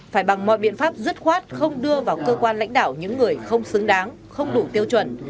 phải bằng mọi biện pháp dứt khoát không đưa vào cơ quan lãnh đạo những người không xứng đáng không đủ tiêu chuẩn